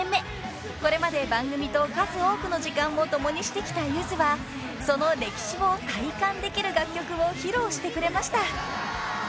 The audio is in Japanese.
［これまで番組と数多くの時間を共にしてきたゆずはその歴史を体感できる楽曲を披露してくれました］